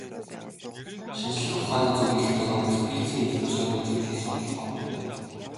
Шинжлэх ухааны зөгнөлт кино үзэх, физикийн элдэв сонин үзэгдлийг судлах хоббитой.